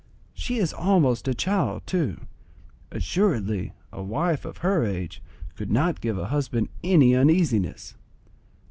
She is almost a child too; assuredly a wife of her age could not give a husband any uneasiness.